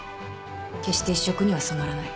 決して一色には染まらない。